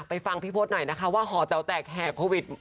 ไปฟังพี่โพธหน่อยนะคะว่าหอเตาแตกแหกโควิด